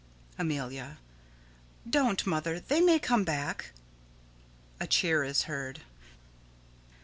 Amelia: Don't, Mother! They may come back. [_A cheer is heard.